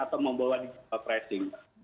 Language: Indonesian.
atau membawa digital tracing